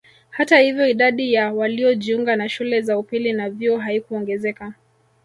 Hata hivyo idadi ya waliojiunga na shule za upili na vyuo haikuongezeka